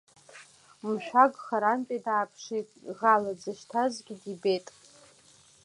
Мшәагә харантәи дааԥшит, ӷала дзышьҭазгьы дибеит.